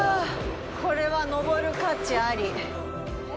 これは登る価値あり。